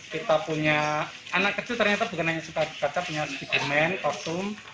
kita punya anak kecil ternyata bukan hanya gatot kaca punya spiderman kossum